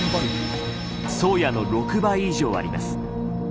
「宗谷」の６倍以上あります。